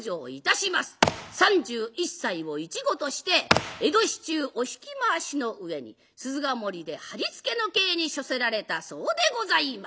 ３１歳を一期として江戸市中お引き回しの上に鈴ヶ森ではりつけの刑に処せられたそうでございます。